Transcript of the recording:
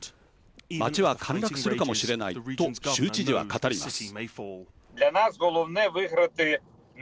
街は陥落するかもしれないと州知事は語ります。